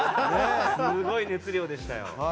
すごい熱量でしたよ。